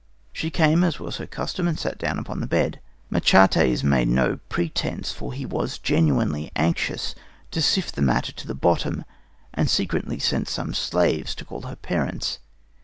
She came, as was her custom, and sat down upon the bed. Machates made no pretence, for he was genuinely anxious to sift the matter to the bottom, and secretly sent some slaves to call her parents.